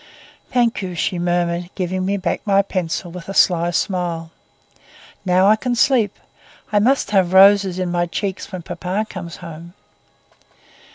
"Thank you," she murmured, giving me back my pencil with a sly smile. "Now I can sleep. I must have roses in my cheeks when papa comes home."